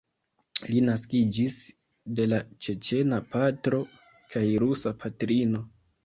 Li naskiĝis de la ĉeĉena patro kaj rusa patrino.